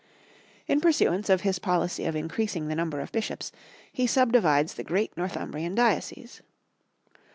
In pursuance of his policy of increasing the number of bishops, he subdivides the great Northumbrian diocese.